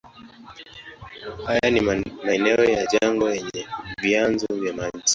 Haya ni maeneo ya jangwa yenye vyanzo vya maji.